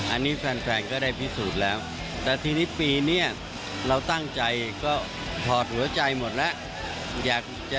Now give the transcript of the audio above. อันนี้แฟนก็ได้พิสูจน์แล้วแต่ทีนี้ปีนี้เราตั้งใจก็ถอดหัวใจหมดแล้วอยากจะ